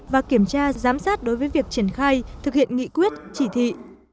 và kiểm tra giám sát đối với việc triển khai thực hiện nghị quyết chỉ thị